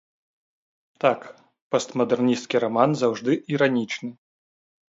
Так, постмадэрнісцкі раман заўжды іранічны.